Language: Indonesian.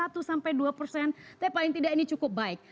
tapi paling tidak ini cukup baik